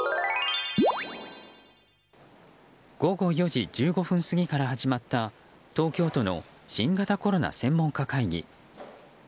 午後４時１５分過ぎから始まった東京都の新型コロナ専門家会議。